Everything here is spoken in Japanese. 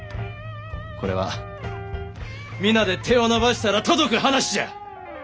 これは皆で手を伸ばしたら届く話じゃ！